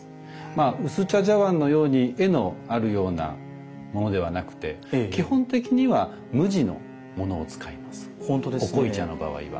薄茶茶碗のように絵のあるようなものではなくて基本的には無地のものを使いますお濃茶の場合は。